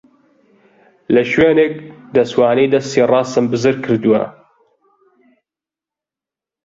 لە شوێنێک دەستوانەی دەستی ڕاستم بزر کردووە.